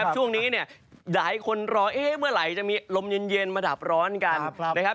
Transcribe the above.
ช่วงนี้หลายคนรอเมื่อไหร่มีลมเย็นมาดับร้อนกัน